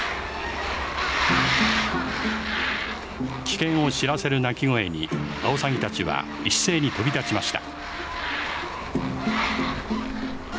危険を知らせる鳴き声にアオサギたちは一斉に飛び立ちました。